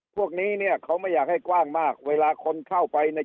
พวกนี้เนี่ยเขาไม่อยากให้กว้างมากเวลาคนเข้าไปเนี่ย